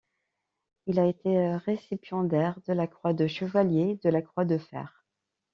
Il a été récipiendaire de la croix de chevalier de la Croix de fer.